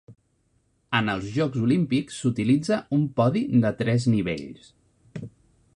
En els Jocs Olímpics s'utilitza un podi de tres nivells.